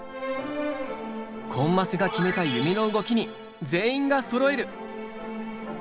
コンマスが決めた弓の動きに全員がそろえる。